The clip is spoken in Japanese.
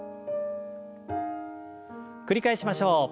繰り返しましょう。